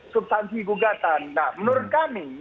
substansi gugatan nah menurut kami